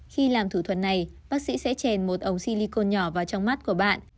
khi làm thử thuật này bác sĩ sẽ chèn một ống silicon nhỏ vào trong mắt của bạn